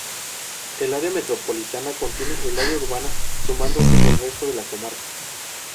El área metropolitana contiene al área urbana sumándose el resto de la comarca.